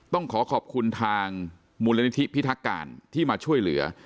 ต้องขอขอบคุณทางมูลนิธิพิทักการที่มาช่วยเหลือ